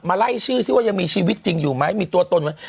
ไล่ชื่อสิว่ายังมีชีวิตจริงอยู่ไหมมีตัวตนไหม